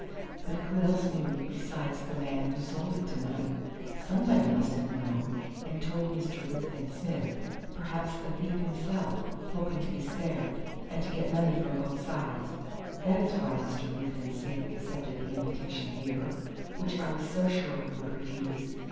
But who else knew besides the man who sold it to Knight? Somebody must have known, and told Mr. Ruthven Smith. Perhaps the thief himself, hoping to be spared, and to get money from both sides. That is why Mr. Ruthven Smith accepted the invitation here, which I was so sure he would refuse.